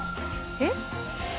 えっ？